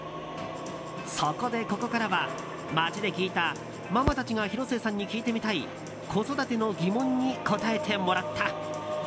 そこで、ここからは街で聞いたママたちが広末さんに聞いてみたい子育ての疑問に答えてもらった。